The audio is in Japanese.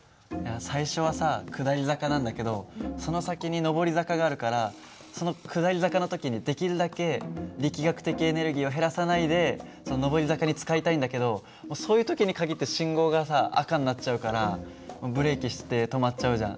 最初はさ下り坂なんだけどその先に上り坂があるからその下り坂の時にできるだけ力学的エネルギーを減らさないで上り坂に使いたいんだけどもうそういう時に限って信号がさ赤になっちゃうからブレーキして止まっちゃうじゃん。